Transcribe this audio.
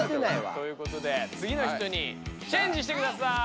ということでつぎの人にチェンジしてください。